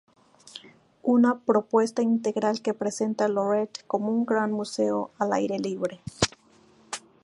Una propuesta integral que presenta Lloret como un gran museo al aire libre.